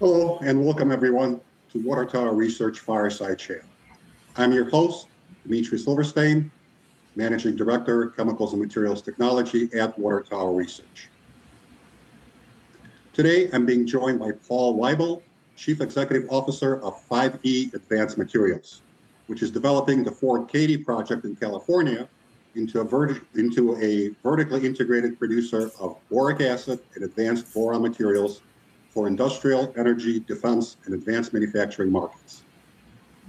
Hello, and welcome, everyone, to Water Tower Research Fireside Chat. I'm your host, Dmitry Silversteyn, Managing Director of Chemicals and Materials Technology at Water Tower Research. Today, I'm being joined by Paul Weibel, Chief Executive Officer of 5E Advanced Materials, which is developing the Fort Cady Project in California into a vertically integrated producer of boric acid and advanced boron materials for industrial energy, defense, and advanced manufacturing markets.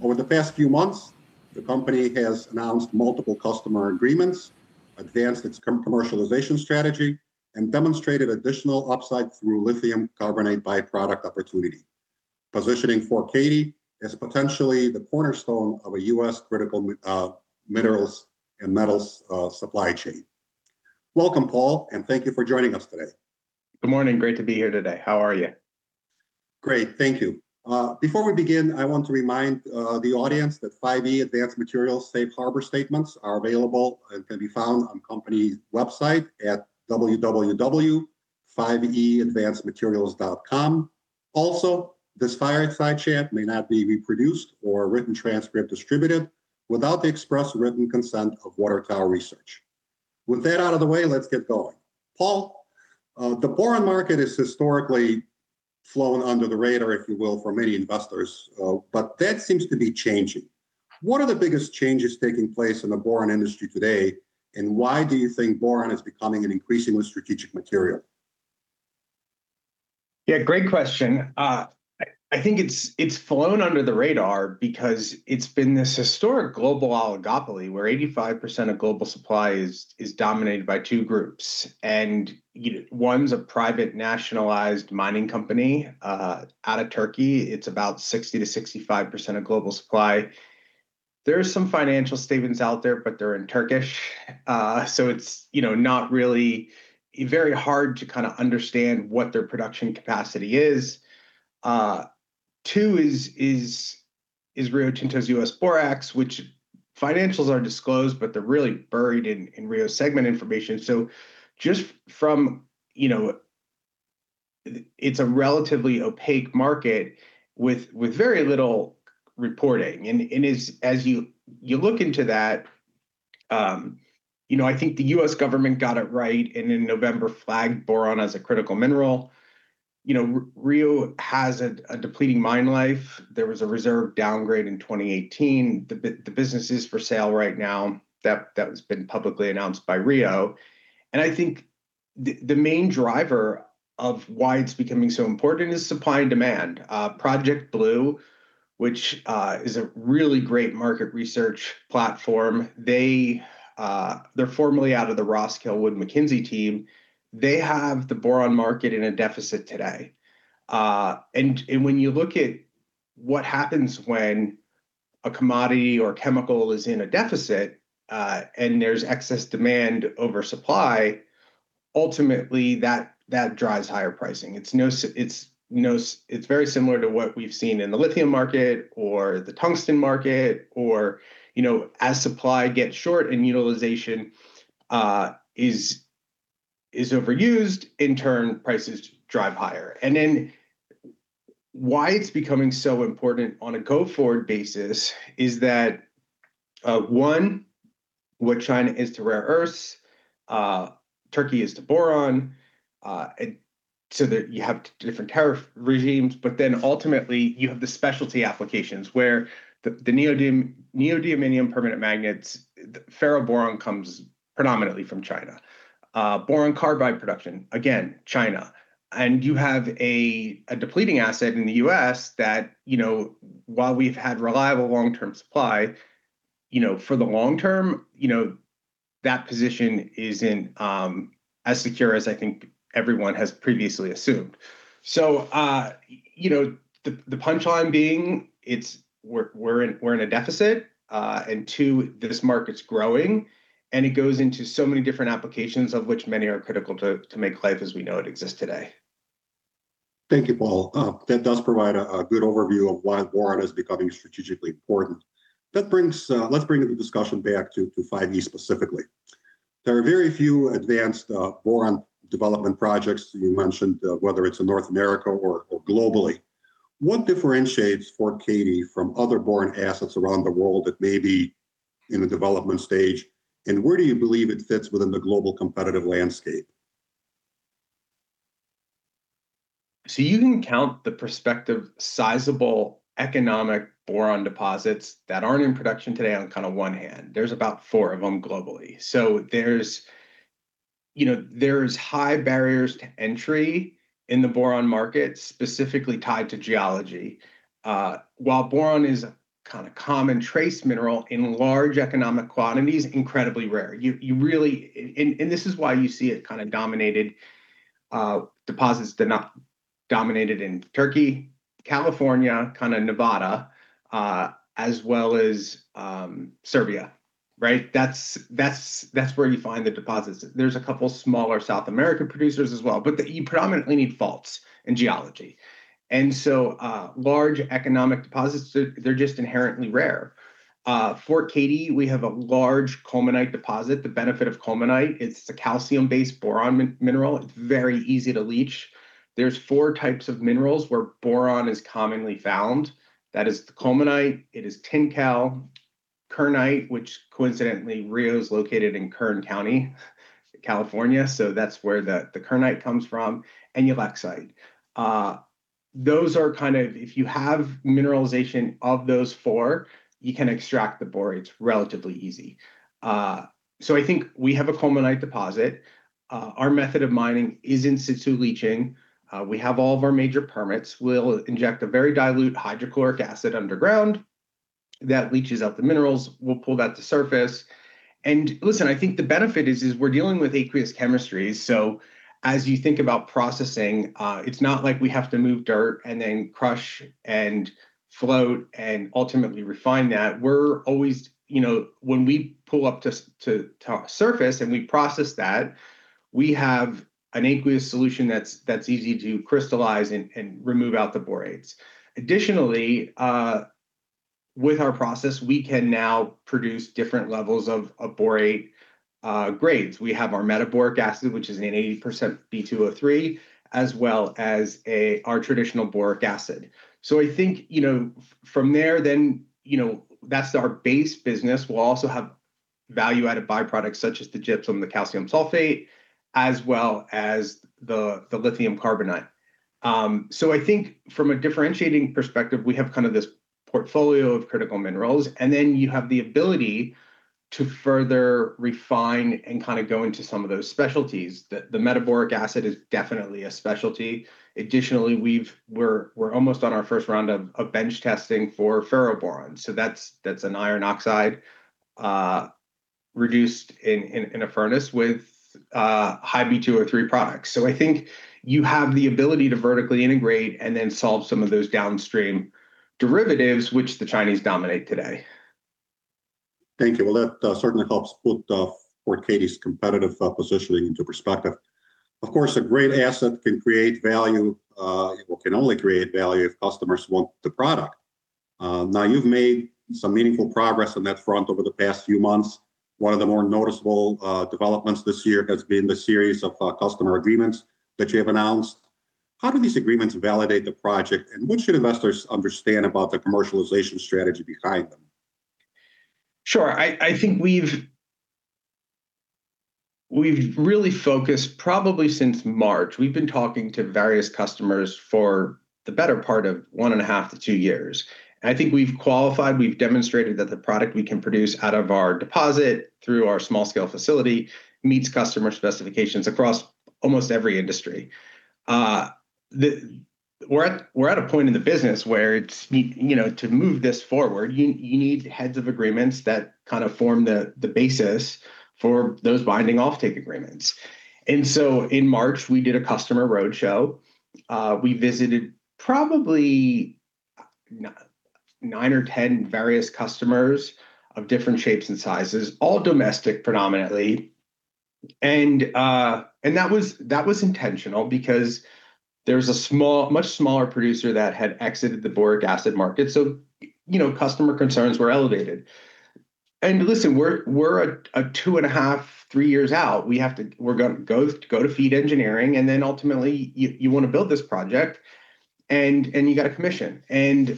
Over the past few months, the company has announced multiple customer agreements, advanced its commercialization strategy, and demonstrated additional upside through lithium carbonate byproduct opportunity, positioning Fort Cady as potentially the cornerstone of a U.S. critical minerals and metals supply chain. Welcome, Paul, and thank you for joining us today. Good morning. Great to be here today. How are you? Great, thank you. Before we begin, I want to remind the audience that 5E Advanced Materials' safe harbor statements are available and can be found on the company's website at www.5eadvancedmaterials.com. This Fireside Chat may not be reproduced or a written transcript distributed without the express written consent of Water Tower Research. With that out of the way, let's get going. Paul, the boron market has historically flown under the radar, if you will, for many investors, but that seems to be changing. What are the biggest changes taking place in the boron industry today, and why do you think boron is becoming an increasingly strategic material? Great question. I think it's flown under the radar because it's been this historic global oligopoly where 85% of global supply is dominated by two groups. One's a private, nationalized mining company out of Turkey. It's about 60%-65% of global supply. There are some financial statements out there, but they're in Turkish, so it's very hard to understand what their production capacity is. Two is Rio Tinto's U.S. Borax, which financials are disclosed, but they're really buried in Rio segment information. It's a relatively opaque market with very little reporting. As you look into that, I think the U.S. government got it right and in November flagged boron as a critical mineral. Rio has a depleting mine life. There was a reserve downgrade in 2018. The business is for sale right now. That has been publicly announced by Rio. I think the main driver of why it's becoming so important is supply and demand. Project Blue, which is a really great market research platform, they're formerly out of the Roskill Wood Mackenzie team. They have the boron market in a deficit today. When you look at what happens when a commodity or chemical is in a deficit and there's excess demand over supply, ultimately that drives higher pricing. It's very similar to what we've seen in the lithium market or the tungsten market or as supply gets short and utilization is overused, in turn, prices drive higher. Why it's becoming so important on a go-forward basis is that one, what China is to rare earths, Turkey is to boron. You have different tariff regimes, but ultimately you have the specialty applications where the neodymium permanent magnets, ferroboron comes predominantly from China. Boron carbide production, again, China. You have a depleting asset in the U.S. that while we've had reliable long-term supply, for the long term, that position isn't as secure as I think everyone has previously assumed. The punchline being, we're in a deficit, and two, this market's growing, and it goes into so many different applications, of which many are critical to make life as we know it exist today. Thank you, Paul. That does provide a good overview of why boron is becoming strategically important. Let's bring the discussion back to 5E specifically. There are very few advanced boron development projects, you mentioned, whether it's in North America or globally. What differentiates Fort Cady from other boron assets around the world that may be in the development stage, and where do you believe it fits within the global competitive landscape? You can count the prospective sizable economic boron deposits that aren't in production today on one hand. There's about four of them globally. There's high barriers to entry in the boron market, specifically tied to geology. While boron is a common trace mineral, in large economic quantities, incredibly rare. This is why you see deposits dominated in Turkey, California, Nevada, as well as Serbia. Right. That's where you find the deposits. There's a couple smaller South American producers as well, but you predominantly need faults in geology. Large economic deposits, they're just inherently rare. Fort Cady, we have a large colemanite deposit. The benefit of colemanite, it's a calcium-based boron mineral. It's very easy to leach. There are four types of minerals where boron is commonly found. That is the colemanite, it is tincal, kernite, which coincidentally, Rio is located in Kern County, California, so that's where the kernite comes from, and ulexite. If you have mineralization of those four, you can extract the borates relatively easy. I think we have a colemanite deposit. Our method of mining is in-situ leaching. We have all of our major permits. We'll inject a very dilute hydrochloric acid underground that leaches out the minerals. We'll pull that to surface. Listen, I think the benefit is we're dealing with aqueous chemistry. As you think about processing, it's not like we have to move dirt and then crush and float and ultimately refine that. When we pull up to surface and we process that, we have an aqueous solution that's easy to crystallize and remove out the borates. Additionally, with our process, we can now produce different levels of borate grades. We have our metaboric acid, which is an 80% B2O3, as well as our traditional boric acid. I think from there then, that's our base business. We'll also have value-added byproducts such as the gypsum, the calcium sulfate, as well as the lithium carbonate. I think from a differentiating perspective, we have this portfolio of critical minerals, and then you have the ability to further refine and go into some of those specialties. The metaboric acid is definitely a specialty. Additionally, we're almost on our first round of bench testing for ferroboron. That's an iron oxide, reduced in a furnace with high B2O3 products. I think you have the ability to vertically integrate and then solve some of those downstream derivatives which the Chinese dominate today. Thank you. That certainly helps put Fort Cady's competitive positioning into perspective. Of course, a great asset can only create value if customers want the product. You've made some meaningful progress on that front over the past few months. One of the more noticeable developments this year has been the series of customer agreements that you have announced. How do these agreements validate the project, and what should investors understand about the commercialization strategy behind them? Sure. I think we've really focused probably since March. We've been talking to various customers for the better part of one and a half to two years. I think we've qualified, we've demonstrated that the product we can produce out of our deposit through our small-scale facility meets customer specifications across almost every industry. We're at a point in the business where to move this forward, you need heads of agreements that form the basis for those binding offtake agreements. In March, we did a customer roadshow. We visited probably nine or 10 various customers of different shapes and sizes, all domestic predominantly. That was intentional because there was a much smaller producer that had exited the boric acid market. Customer concerns were elevated. Listen, we're a two and a half, three years out. We're going to go to FEED engineering. Ultimately, you want to build this project, and you got to commission.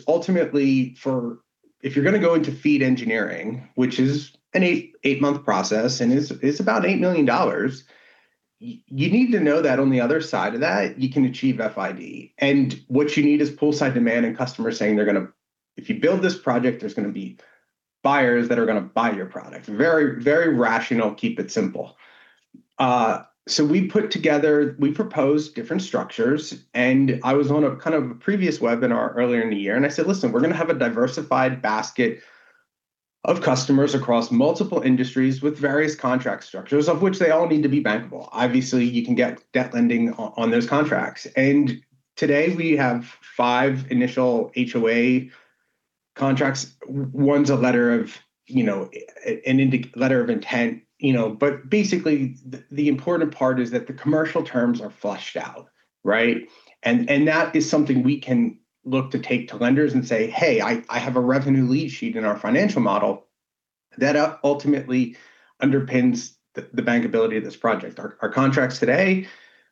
Ultimately, if you're going to go into FEED engineering, which is an eight-month process and is about $8 million, you need to know that on the other side of that, you can achieve FID. What you need is poolside demand and customers saying, "If you build this project, there's going to be buyers that are going to buy your product." Very rational, keep it simple. We proposed different structures, and I was on a previous webinar earlier in the year, and I said, "Listen, we're going to have a diversified basket of customers across multiple industries with various contract structures, of which they all need to be bankable." Obviously, you can get debt lending on those contracts. Today we have five initial HOA contracts. One's a letter of intent. Basically, the important part is that the commercial terms are fleshed out, right? That is something we can look to take to lenders and say, "Hey, I have a revenue lead sheet in our financial model that ultimately underpins the bankability of this project." Our contracts today,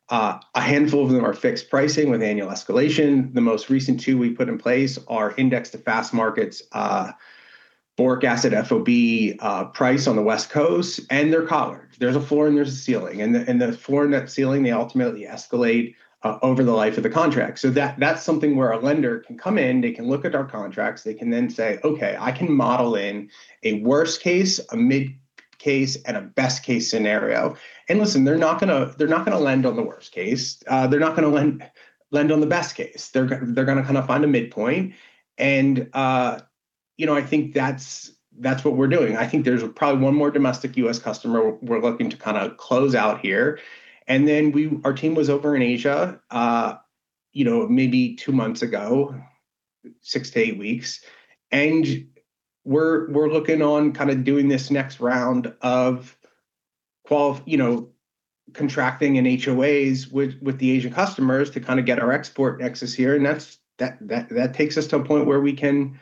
a handful of them are fixed pricing with annual escalation. The most recent two we put in place are indexed to Fastmarkets, boric acid FOB price on the West Coast, and they're collared. There's a floor and there's a ceiling. The floor and that ceiling, they ultimately escalate over the life of the contract. That's something where a lender can come in, they can look at our contracts, they can then say, "Okay, I can model in a worst case, a mid case, and a best case scenario." Listen, they're not going to lend on the worst case. They're not going to lend on the best case. They're going to find a midpoint. I think that's what we're doing. I think there's probably one more domestic U.S. customer we're looking to close out here. Our team was over in Asia maybe two months ago, six to eight weeks. We're looking on doing this next round of contracting and HOAs with the Asian customers to get our export nexus here, and that takes us to a point where we can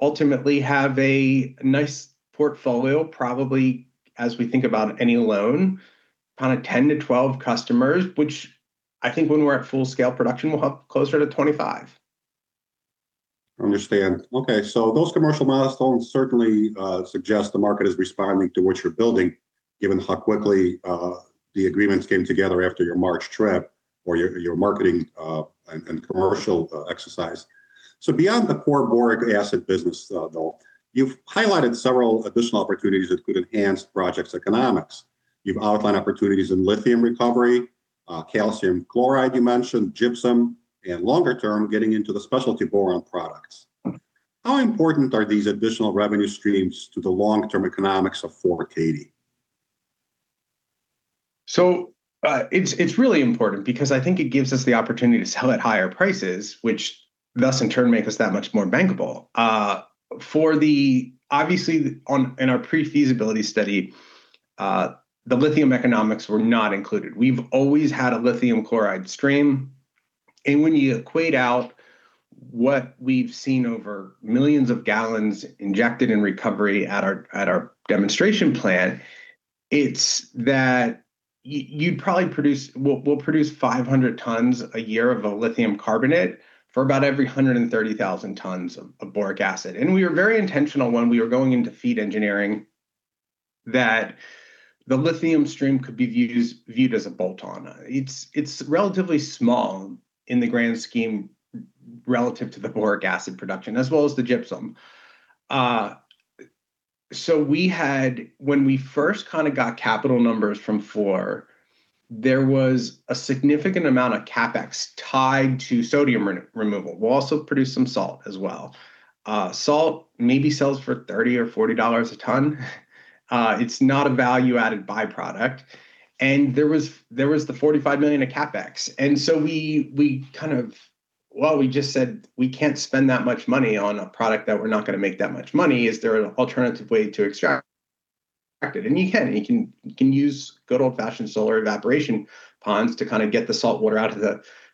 ultimately have a nice portfolio, probably as we think about any loan, 10 to 12 customers, which I think when we're at full-scale production, we'll have closer to 25. Understand. Okay. Those commercial milestones certainly suggest the market is responding to what you're building, given how quickly the agreements came together after your March trip or your marketing and commercial exercise. Beyond the core boric acid business, though, you've highlighted several additional opportunities that could enhance projects economics. You've outlined opportunities in lithium recovery, calcium chloride you mentioned, gypsum, and longer-term, getting into the specialty boron products. How important are these additional revenue streams to the long-term economics of Fort Cady? It's really important because I think it gives us the opportunity to sell at higher prices, which thus in turn make us that much more bankable. Obviously, in our pre-feasibility study, the lithium economics were not included. We've always had a lithium chloride stream. When you equate out what we've seen over millions of gallons injected in recovery at our demonstration plant, it's that we'll produce 500 tons a year of a lithium carbonate for about every 130,000 tons of boric acid. We were very intentional when we were going into FEED engineering that the lithium stream could be viewed as a bolt-on. It's relatively small in the grand scheme relative to the boric acid production as well as the gypsum. When we first got capital numbers from Fluor, there was a significant amount of CapEx tied to sodium removal. We'll also produce some salt as well. Salt maybe sells for $30 or $40 a ton. It's not a value-added by-product. There was the $45 million of CapEx. We just said, "We can't spend that much money on a product that we're not going to make that much money. Is there an alternative way to extract it?" You can. You can use good old-fashioned solar evaporation ponds to get the saltwater out of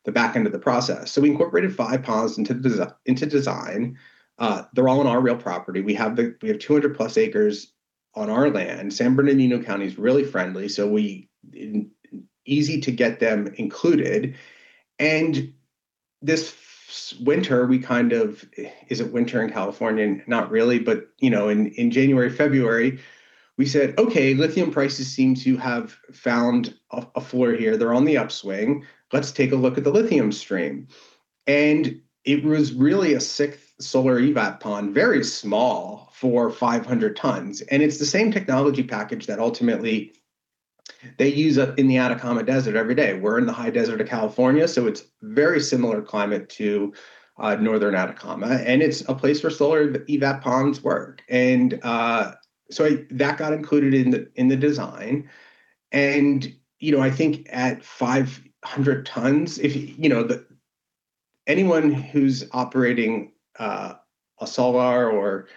the back end of the process. We incorporated five ponds into design. They're all on our real property. We have 200+ acres on our land. San Bernardino County is really friendly, so easy to get them included. This winter, we kind of, is it winter in California? Not really, but in January, February, we said, "Okay, lithium prices seem to have found a floor here. They're on the upswing. Let's take a look at the lithium stream." It was really a sixth solar evap pond, very small for 500 tons, and it's the same technology package that ultimately they use up in the Atacama Desert every day. We're in the high desert of California, so it's very similar climate to northern Atacama, and it's a place where solar evap ponds work. That got included in the design. I think at 500 tons, anyone who's operating a salar or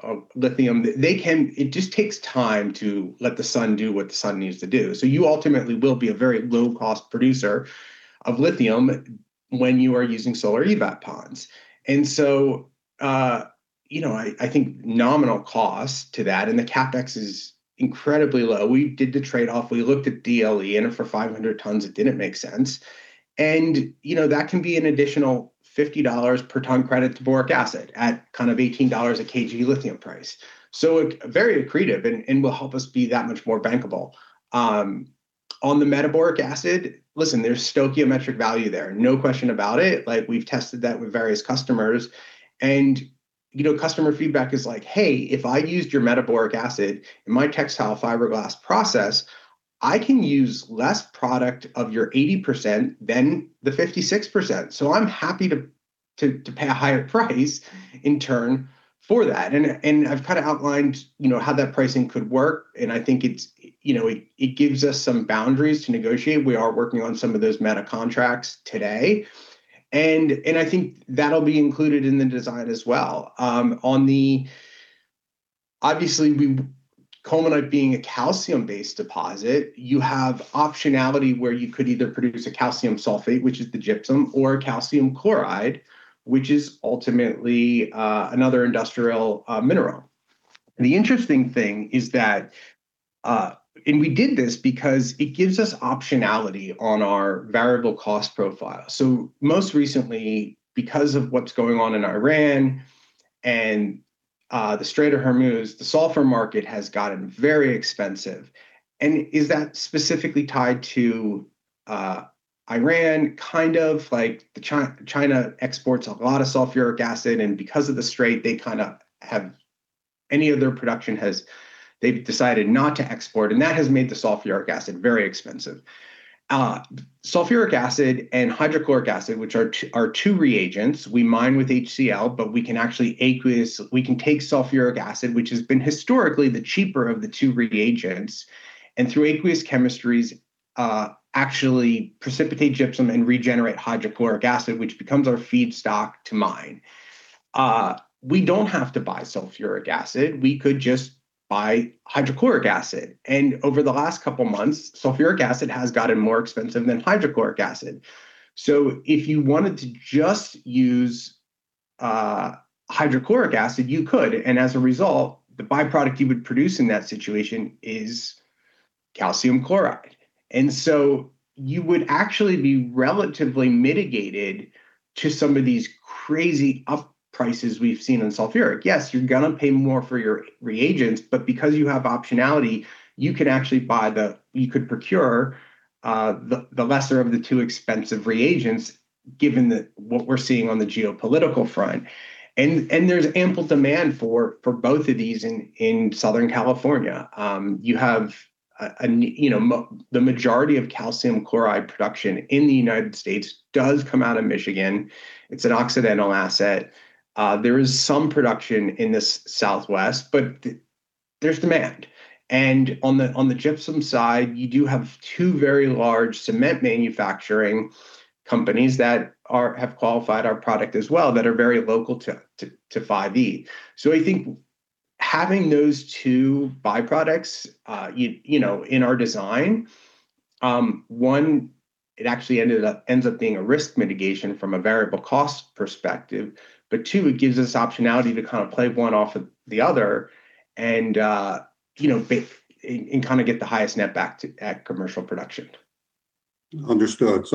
a lithium, it just takes time to let the sun do what the sun needs to do. You ultimately will be a very low-cost producer of lithium when you are using solar evap ponds. I think nominal cost to that and the CapEx is incredibly low. We did the trade-off. We looked at DLE and for 500 tons, it didn't make sense. That can be an additional $50 per ton credit to boric acid at $18 a kg lithium price. Very accretive and will help us be that much more bankable. On the metaboric acid, listen, there's stoichiometric value there. No question about it. We've tested that with various customers. Customer feedback is like, "Hey, if I used your metaboric acid in my textile fiberglass process, I can use less product of your 80% than the 56%." I'm happy to pay a higher price in turn for that. I've outlined how that pricing could work, and I think it gives us some boundaries to negotiate. We are working on some of those meta contracts today. I think that'll be included in the design as well. Obviously, colemanite being a calcium-based deposit, you have optionality where you could either produce a calcium sulfate, which is the gypsum or calcium chloride, which is ultimately another industrial mineral. The interesting thing is that we did this because it gives us optionality on our variable cost profile. Most recently, because of what's going on in Iran and the Strait of Hormuz, the sulfur market has gotten very expensive. Is that specifically tied to Iran? Kind of. China exports a lot of sulfuric acid, and because of the strait, any of their production they've decided not to export, and that has made the sulfuric acid very expensive. Sulfuric acid and hydrochloric acid, which are two reagents, we mine with HCl, but we can take sulfuric acid, which has been historically the cheaper of the two reagents, and through aqueous chemistries actually precipitate gypsum and regenerate hydrochloric acid, which becomes our feedstock to mine. We don't have to buy sulfuric acid. We could just buy hydrochloric acid. Over the last couple of months, sulfuric acid has gotten more expensive than hydrochloric acid. If you wanted to just use hydrochloric acid, you could, and as a result, the byproduct you would produce in that situation is calcium chloride. You would actually be relatively mitigated to some of these crazy up prices we've seen in sulfuric. Yes, you're going to pay more for your reagents, but because you have optionality, you could procure the lesser of the two expensive reagents given what we're seeing on the geopolitical front. There's ample demand for both of these in Southern California. The majority of calcium chloride production in the U.S. does come out of Michigan. It's an accidental asset. There is some production in the Southwest, but there's demand. On the gypsum side, you do have two very large cement manufacturing companies that have qualified our product as well that are very local to 5E. I think having those two byproducts in our design, one, it actually ends up being a risk mitigation from a variable cost perspective. Two, it gives us optionality to play one off of the other and get the highest net back at commercial production. Understood.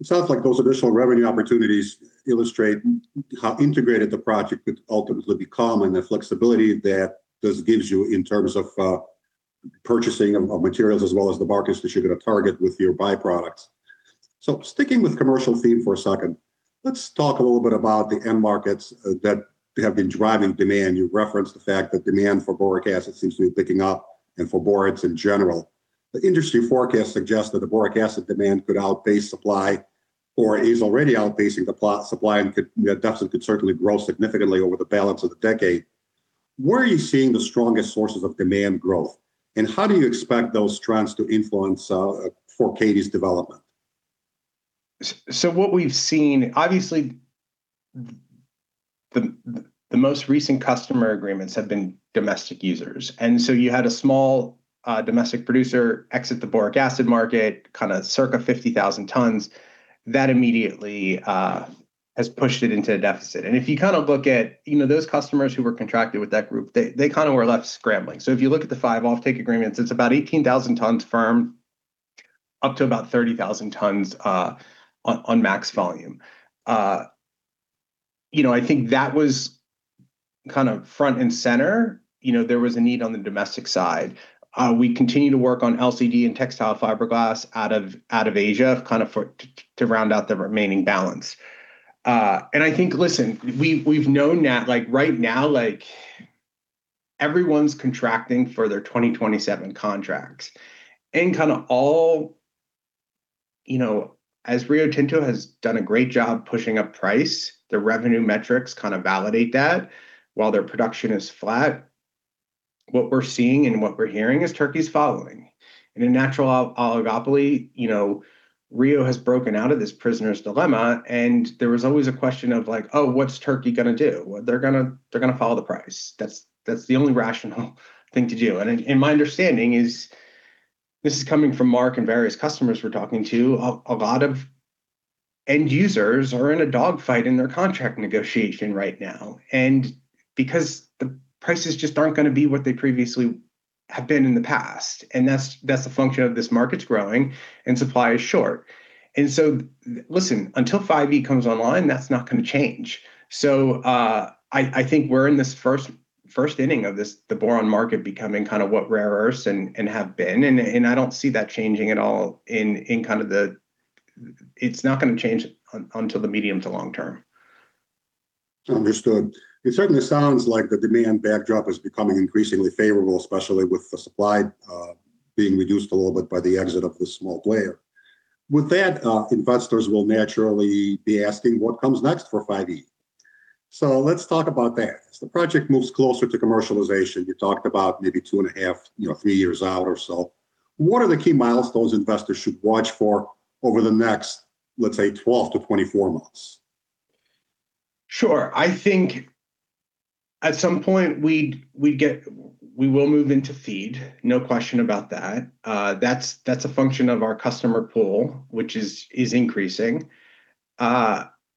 It sounds like those additional revenue opportunities illustrate how integrated the project could ultimately become and the flexibility that this gives you in terms of purchasing of materials as well as the markets that you're going to target with your byproducts. Sticking with commercial theme for a second, let's talk a little bit about the end markets that have been driving demand. You referenced the fact that demand for boric acid seems to be picking up and for borates in general. The industry forecast suggests that the boric acid demand could outpace supply or is already outpacing the supply and could certainly grow significantly over the balance of the decade. Where are you seeing the strongest sources of demand growth, and how do you expect those trends to influence Fort Cady's development? What we've seen, obviously, the most recent customer agreements have been domestic users. You had a small domestic producer exit the boric acid market, circa 50,000 tons. That immediately has pushed it into a deficit. If you look at those customers who were contracted with that group, they were left scrambling. If you look at the five off take agreements, it's about 18,000 tons firm up to about 30,000 tons on max volume. I think that was front and center. There was a need on the domestic side. We continue to work on LCD and textile fiberglass out of Asia to round out the remaining balance. I think, listen, we've known that right now everyone's contracting for their 2027 contracts. As Rio Tinto has done a great job pushing up price, the revenue metrics validate that while their production is flat. What we're seeing and what we're hearing is Turkey's following. In a natural oligopoly, Rio has broken out of this prisoner's dilemma, and there was always a question of, "Oh, what's Turkey going to do?" They're going to follow the price. That's the only rational thing to do. My understanding is this is coming from Mark and various customers we're talking to. A lot of end users are in a dog fight in their contract negotiation right now, because the prices just aren't going to be what they previously have been in the past, and that's a function of this market's growing and supply is short. Listen, until 5E comes online, that's not going to change. I think we're in this first inning of the boron market becoming what rare earths have been, and I don't see that changing at all. It's not going to change until the medium to long term. Understood. It certainly sounds like the demand backdrop is becoming increasingly favorable, especially with the supply being reduced a little bit by the exit of the small player. With that, investors will naturally be asking what comes next for 5E. Let's talk about that. As the project moves closer to commercialization, you talked about maybe two and a half, three years out or so. What are the key milestones investors should watch for over the next, let's say, 12-24 months? Sure. I think at some point we will move into FEED, no question about that. That's a function of our customer pool, which is increasing.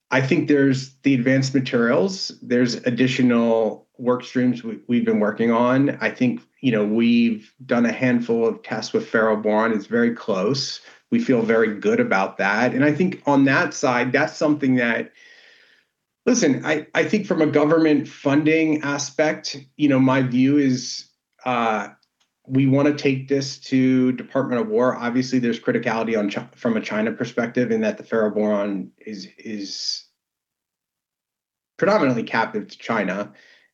I think there's the advanced materials, there's additional work streams we've been working on. I think we've done a handful of tests with ferroboron. It's very close. We feel very good about that, and I think on that side, that's something that. Listen, I think from a government funding aspect, my view is we want to take this to Department of War. Obviously, there's criticality from a China perspective in that the ferroboron is predominantly captive to China,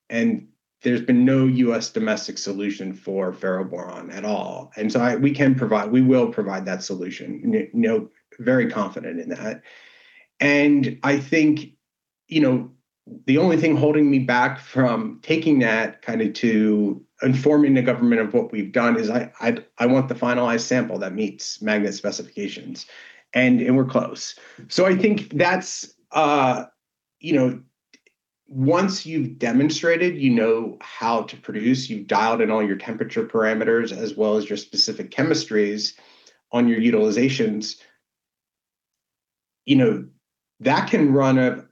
and there's been no U.S. domestic solution for ferroboron at all. We will provide that solution, very confident in that. I think the only thing holding me back from taking that to informing the government of what we've done is I want the finalized sample that meets magnet specifications, and we're close. I think once you've demonstrated you know how to produce, you've dialed in all your temperature parameters as well as your specific chemistries on your utilizations. That can run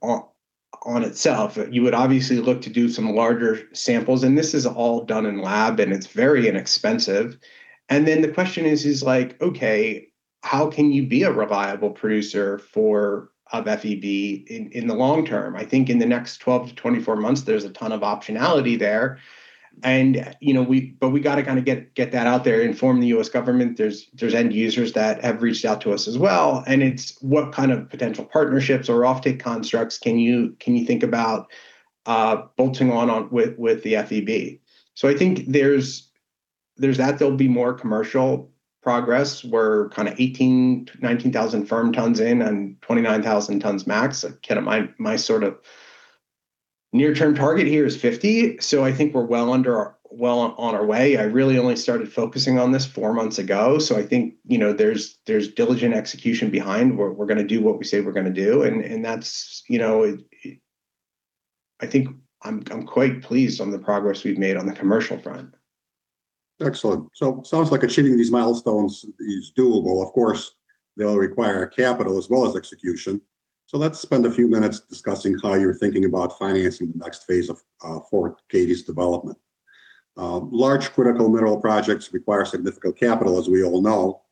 on itself. You would obviously look to do some larger samples, and this is all done in lab and it's very inexpensive. The question is like, okay, how can you be a reliable producer of FeB in the long term? I think in the next 12-24 months, there's a ton of optionality there. We got to get that out there, inform the U.S. government. There's end users that have reached out to us as well, and it's what kind of potential partnerships or offtake constructs can you think about bolting on with the FeB? I think there's that there'll be more commercial progress. We're kind of 18,000-19,000 firm tons in and 29,000 tons max. My sort of near-term target here is 50. I think we're well on our way. I really only started focusing on this four months ago. I think there's diligent execution behind we're going to do what we say we're going to do, and I think I'm quite pleased on the progress we've made on the commercial front. Excellent. Sounds like achieving these milestones is doable. Of course, they'll require capital as well as execution. Let's spend a few minutes discussing how you're thinking about financing the next phase of Fort Cady's development. Large critical mineral projects require significant capital, as we all know.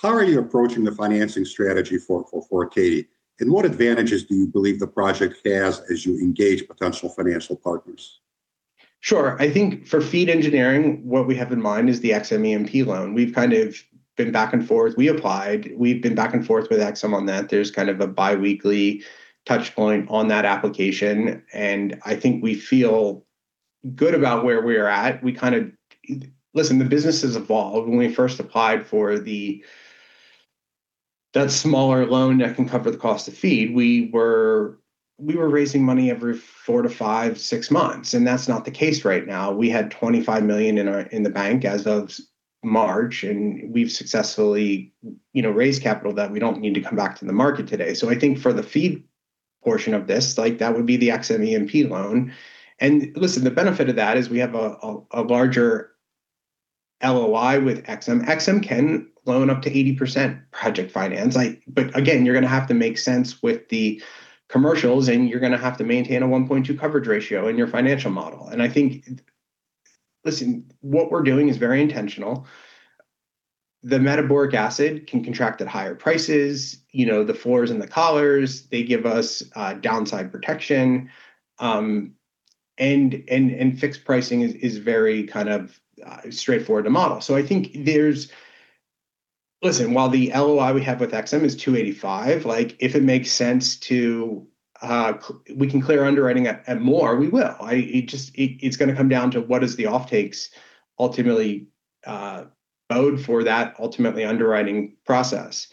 How are you approaching the financing strategy for Fort Cady, and what advantages do you believe the project has as you engage potential financial partners? Sure. For FEED engineering, what we have in mind is the EXIM EMP loan. We've been back and forth. We applied, we've been back and forth with EXIM on that. There's a biweekly touch point on that application, and we feel good about where we're at. Listen, the business has evolved. When we first applied for that smaller loan that can cover the cost of FEED, we were raising money every four to five, six months, and that's not the case right now. We had $25 million in the bank as of March, and we've successfully raised capital that we don't need to come back to the market today. For the FEED portion of this, that would be the EXIM EMP loan. The benefit of that is we have a larger LOI with EXIM. EXIM can loan up to 80% project finance. You're going to have to make sense with the commercials and you're going to have to maintain a 1.2 coverage ratio in your financial model. What we're doing is very intentional. The metaboric acid can contract at higher prices. The floors and the collars, they give us downside protection. Fixed pricing is very straightforward to model. While the LOI we have with EXIM is $285, we can clear underwriting at more, we will. It's going to come down to what is the offtakes ultimately bode for that underwriting process.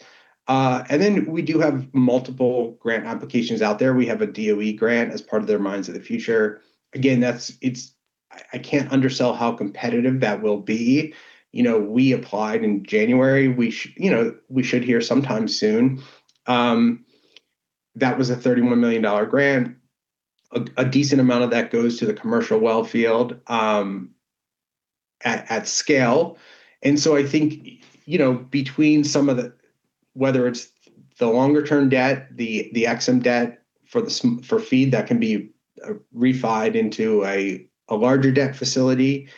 We do have multiple grant applications out there. We have a DOE grant as part of their Mines of the Future. Again, I can't undersell how competitive that will be. We applied in January. We should hear sometime soon. That was a $31 million grant. A decent amount of that goes to the commercial well field at scale. Between some of the, whether it's the longer term debt, the EXIM debt for FEED that can be refied into a larger debt facility,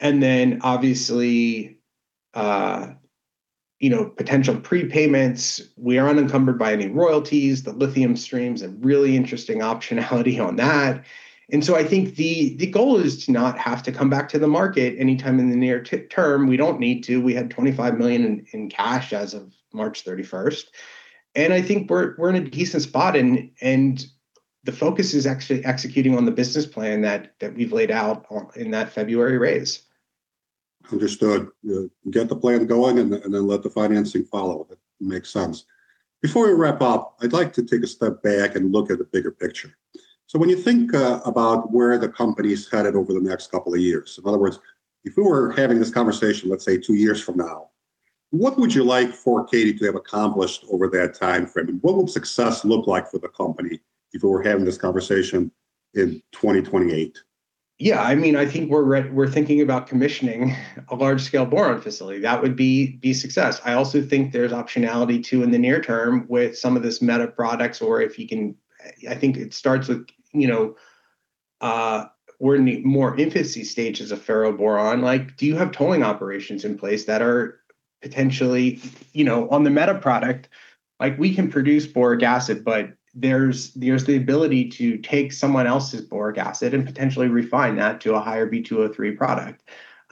and obviously potential prepayments, we are unencumbered by any royalties. The lithium stream's a really interesting optionality on that. The goal is to not have to come back to the market anytime in the near term. We don't need to. We had $25 million in cash as of March 31st, and we're in a decent spot, and the focus is executing on the business plan that we've laid out in that February raise. Understood. Get the plan going and then let the financing follow. That makes sense. Before we wrap up, I'd like to take a step back and look at the bigger picture. When you think about where the company's headed over the next couple of years, in other words, if we were having this conversation, let's say, two years from now, what would you like Fort Cady to have accomplished over that timeframe? What would success look like for the company if we were having this conversation in 2028? I think we're thinking about commissioning a large-scale boron facility. That would be success. I also think there's optionality, too, in the near term with some of these meta products, or I think it starts with we're in the more infancy stages of ferroboron. Do you have tolling operations in place that are potentially on the meta product, we can produce boric acid, but there's the ability to take someone else's boric acid and potentially refine that to a higher B2O3 product.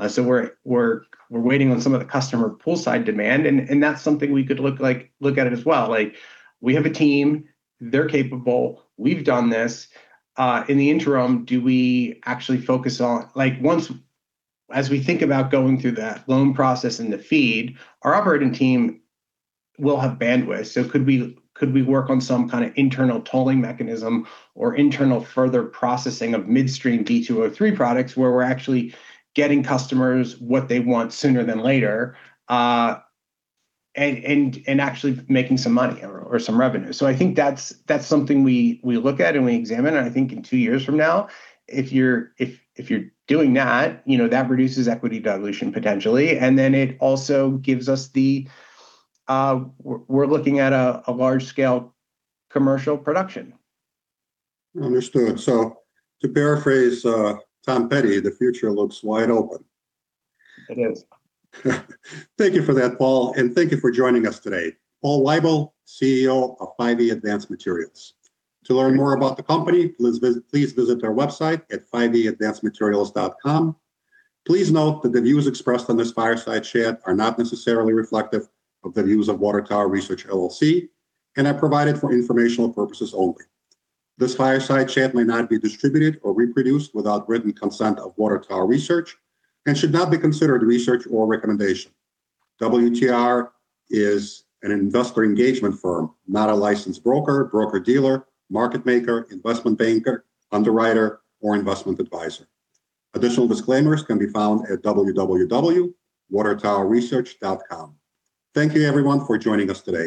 We're waiting on some of the customer poolside demand, and that's something we could look at it as well. We have a team. They're capable. We've done this. In the interim, do we actually focus on? As we think about going through that loan process and the FEED, our operating team will have bandwidth. Could we work on some kind of internal tolling mechanism or internal further processing of midstream B2O3 products where we're actually getting customers what they want sooner than later, and actually making some money or some revenue? I think that's something we look at and we examine, and I think in two years from now, if you're doing that reduces equity dilution potentially, and then it also gives us. We're looking at a large-scale commercial production. Understood. To paraphrase Tom Petty, the future looks wide open. It is. Thank you for that, Paul, and thank you for joining us today. Paul Weibel, CEO of 5E Advanced Materials. To learn more about the company, please visit their website at 5eadvancedmaterials.com. Please note that the views expressed on this Fireside chat are not necessarily reflective of the views of Water Tower Research, LLC, and are provided for informational purposes only. This Fireside chat may not be distributed or reproduced without written consent of Water Tower Research and should not be considered research or recommendation. WTR is an investor engagement firm, not a licensed broker-dealer, market maker, investment banker, underwriter, or investment advisor. Additional disclaimers can be found at www.watertowerresearch.com. Thank you everyone for joining us today.